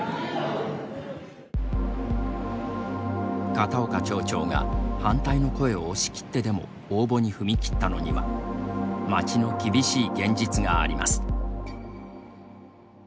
片岡町長が反対の声を押し切ってでも応募に踏み切ったのには町の厳しい現実があります。